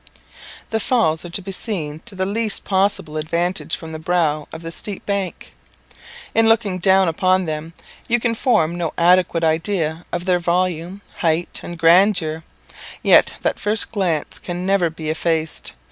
The Falls are seen to the least possible advantage from the brow of the steep bank. In looking down upon them, you can form no adequate idea of their volume, height, and grandeur; yet that first glance can never be effaced.